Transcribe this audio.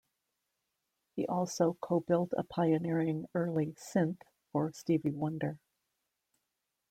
He also co-built a pioneering early synth for Stevie Wonder.